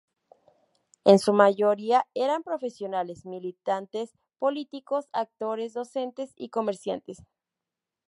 En su mayoría eran profesionales, militantes políticos, actores, docentes y comerciantes.